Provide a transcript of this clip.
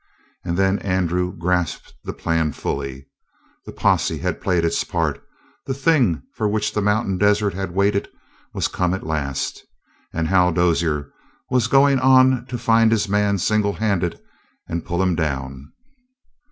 And then Andrew grasped the plan fully. The posse had played its part; the thing for which the mountain desert had waited was come at last, and Hal Dozier was going on to find his man single handed and pull him down.